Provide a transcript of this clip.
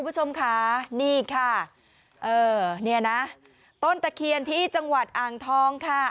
คุณผู้ชมค่ะนี่ค่ะเออเนี่ยนะต้นตะเคียนที่จังหวัดอ่างทองค่ะ